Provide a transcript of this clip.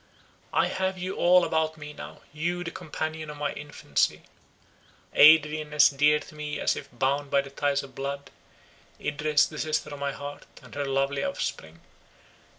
I have you all about me now—you, the companion of my infancy; Adrian, as dear to me as if bound by the ties of blood; Idris, the sister of my heart, and her lovely offspring.